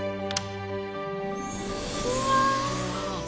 うわ！